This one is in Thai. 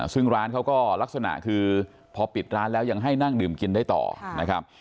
ซึ่งร้านเขาก็ลักษณะคือพอปิดร้านแล้วยังให้นั่งดื่มกินได้ต่อนะครับ